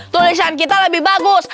tulisan kita lebih bagus